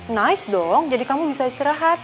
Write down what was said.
nice dong jadi kamu bisa istirahat